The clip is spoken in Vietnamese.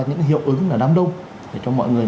những hiệu ứng là đám đông để cho mọi người